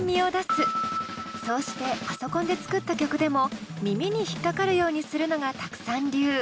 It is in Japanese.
そうしてパソコンで作った曲でも耳にひっかかるようにするのがＴＡＫＵさん流。